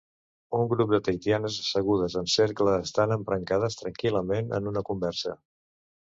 Un grup de tahitianes assegudes en cercle estan embrancades tranquil·lament en una conversa.